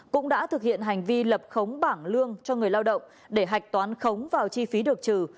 cũng đã thực hiện hành vi lập khống bảng lương cho người lao động để hạch toán khống vào chi phí được trừ